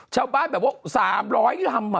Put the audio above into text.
ชาวบ้านแบบวะ๓๐๐ที่ทำอ่ะพี่